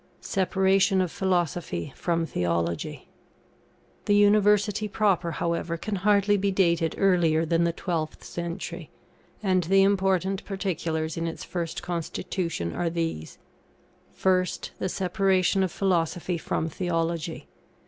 ] SEPARATION OF PHILOSOPHY FROM THEOLOGY. The University proper, however, can hardly be dated earlier than the 12th century; and the important particulars in its first constitution are these: First, the separation of Philosophy from Theology.